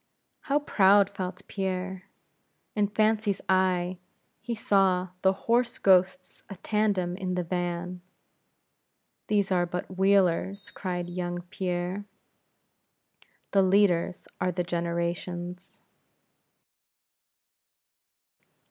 How proud felt Pierre: In fancy's eye, he saw the horse ghosts a tandem in the van; "These are but wheelers" cried young Pierre "the leaders are the generations."